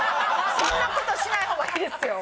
そんな事しない方がいいですよ。